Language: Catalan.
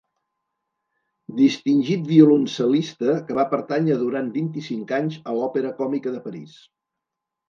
Distingit violoncel·lista que va pertànyer durant vint-i-cinc anys a l'Òpera Còmica de París.